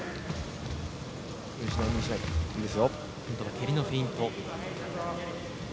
蹴りのフェイント。